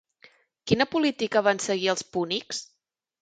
Quina política van seguir els púnics?